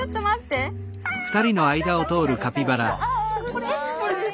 これ？